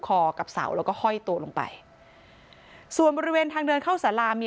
กับเสาแล้วก็ห้อยตัวลงไปส่วนบริเวณทางเดินเข้าสารามี